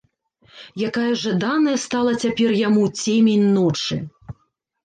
Якая жаданая стала цяпер яму цемень ночы!